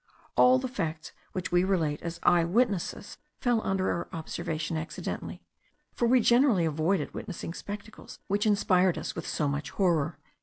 All the facts which we relate as eye witnesses fell under our observation accidentally, for we generally avoided witnessing spectacles which inspired us with so much horror."